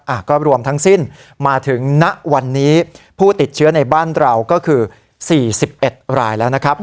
อ่ะก็รวมทั้งสิ้นมาถึงณวันนี้ผู้ติดเชื้อในบ้านเราก็คือสี่สิบเอ็ดรายแล้วนะครับ